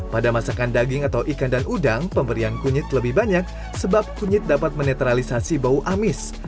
pada masakan daging atau ikan dan udang pemberian kunyit lebih banyak sebab kunyit dapat menetralisasi bau amis